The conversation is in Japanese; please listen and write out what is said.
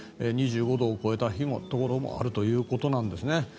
２５度を超えたところもあるということなんです。